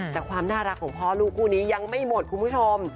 แต่ความน่ารักของพ่อลูกคู่นี้ยังไม่หมดคุณผู้ชม